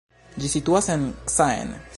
Ĝi situas en Caen.